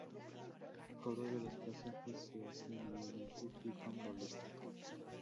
El cobro de los pasajes se hace manualmente y con boletos.